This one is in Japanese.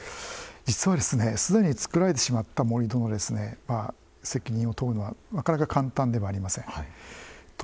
実はすでに造られてしまった盛土の責任を問うのはなかなか、簡単ではありません。